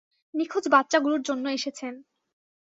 নিখোঁজ বাচ্চাগুলোর জন্য এসেছেন।